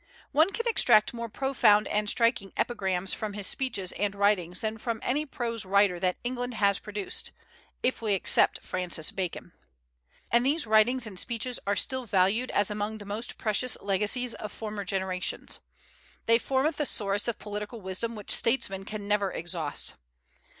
One can extract more profound and striking epigrams from his speeches and writings than from any prose writer that England has produced, if we except Francis Bacon. And these writings and speeches are still valued as among the most precious legacies of former generations; they form a thesaurus of political wisdom which statesmen can never exhaust.